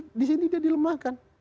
tapi justru di sini dia dilemahkan